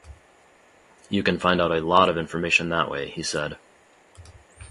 'You can find out a lot of information that way,' he said.